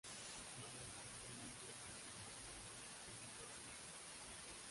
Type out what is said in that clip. Su madre es conocida en toda la ciudad como un curandero místico.